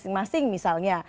di kepala daerah masing masing